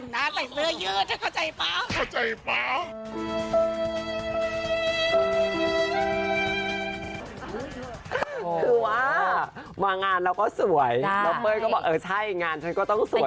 แล้วเบ้ยก็บอกเออใช่งานฉันก็ต้องสวย